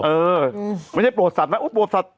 เออไม่ใช่โปรดสัตว์นะโปรดสัตว